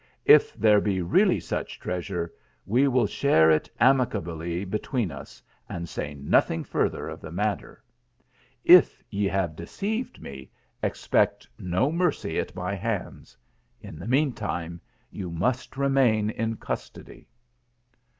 If there be really such treasure, we will share it amicably between us, and say nothing further of the matter ; if ye have deceived me, expect no mercy at my hands. In the mean time you must remain in custody."